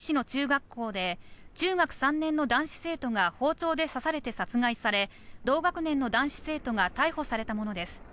この事件は今月２４日、弥富市の中学校で中学３年の男子生徒が包丁で刺されて殺害され、同学年の男子生徒が逮捕されたものです。